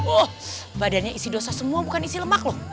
wah badannya isi dosa semua bukan isi lemak loh